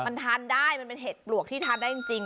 มันทานได้มันเป็นเห็ดปลวกที่ทานได้จริง